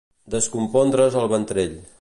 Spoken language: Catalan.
Descompondre's el ventrell.